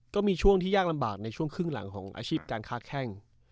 ก็มีช่วงที่ยากลำบากในช่วงครึ่งหลังของอาชีพการค้าแข้ง